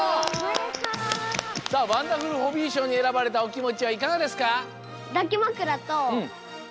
さあワンダフルホビーしょうにえらばれたおきもちはいかがですか？